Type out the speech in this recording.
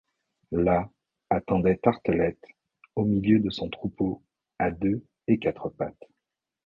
Là attendait Tartelett, au milieu de son troupeau, à deux et quatre pattes.